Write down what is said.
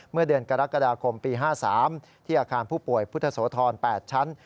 เมื่อเดือนกรกฎาคมปี๕๓ที่อาคารผู้ป่วยพุทธโสธร๘ชั้น